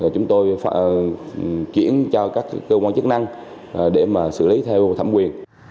chúng tôi chuyển cho các cơ quan chức năng để xử lý theo thẩm quyền